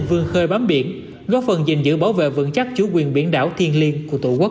vương khơi bám biển góp phần gìn giữ bảo vệ vững chắc chủ quyền biển đảo thiên liêng của tổ quốc